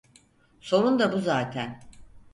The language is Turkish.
Sorun da bu zaten.